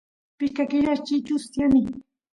pishka killas chichus tiyani